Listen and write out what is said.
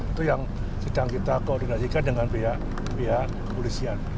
itu yang sedang kita koordinasikan dengan pihak kepolisian